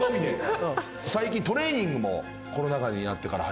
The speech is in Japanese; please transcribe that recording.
最近トレーニングもコロナ禍になってから始めてる。